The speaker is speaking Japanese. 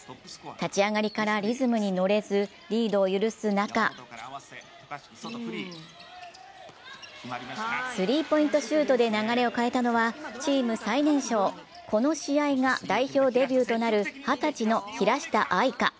立ち上がりからリズムにのれず、リードを許す中スリーポイントシュートで流れを変えたのはチーム最年少、この試合が代表デビューとなる２０歳の平下愛佳。